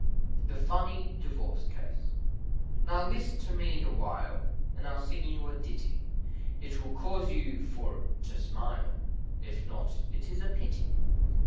THE FUNNY DIVORCE CASE. Now list to me awhile, And I'll sing you a ditty, It will cause you for to smile, If not, it is a pity.